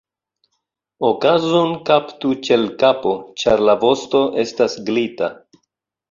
Okazon kaptu ĉe l' kapo, ĉar la vosto estas glita.